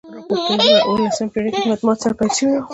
راپورتاژپه اوولسمه پیړۍ کښي له مطبوعاتو سره پیل سوی.